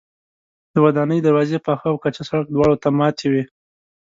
د ودانۍ دروازې پاخه او کچه سړک دواړو ته ماتې وې.